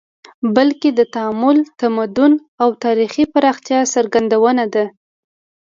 بلکې د تعامل، تمدن او تاریخي پراختیا څرګندونه ده